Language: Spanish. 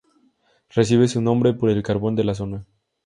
Recibe su nombre por el carbón de la zona.